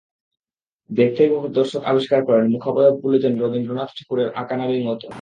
দেখতে দেখতে দর্শক আবিষ্কার করেন মুখাবয়বগুলো যেন রবীন্দ্রনাথ ঠাকুরের আঁকা নারীর মতো।